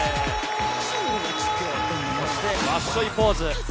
そしてワッショイポーズ。